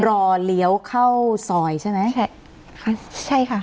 รอเลี้ยวเข้าซอยใช่มั้ยใช่ค่ะ